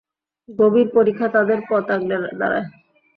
গভীর পরিখা তাদের পথ আগলে দাঁড়ায়।